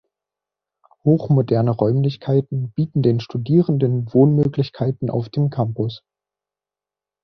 Hochmoderne Räumlichkeiten bieten den Studierenden Wohnmöglichkeiten auf dem Campus.